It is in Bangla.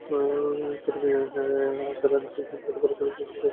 ছোট মেয়ে আশা রানী সিনহা ভারতে পড়াশোনা শেষ করে সম্প্রতি দেশে ফিরেছেন।